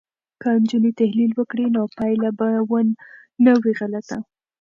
که نجونې تحلیل وکړي نو پایله به نه وي غلطه.